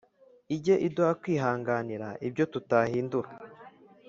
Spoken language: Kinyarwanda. Ijye iduha kwihanganira ibyo tutahindura